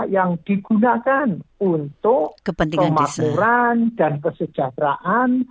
yang digunakan untuk pemakmuran dan kesejahteraan